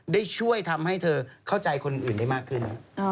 ได้ช่วยทำให้เธอเข้าใจคนอื่นได้มากขึ้น